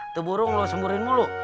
itu burung semburin mulu